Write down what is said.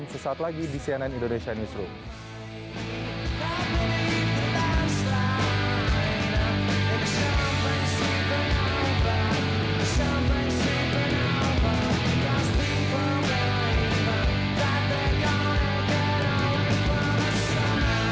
terima kasih mas chandra